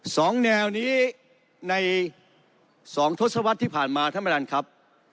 สองแนวนี้ในสองทศวรรษที่ผ่านมาท่านประธานครับ